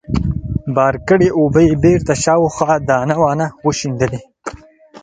بار کړې اوبه يې بېرته شاوخوا دانه وانه وشيندلې.